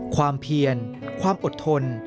ความเพียรความอดทน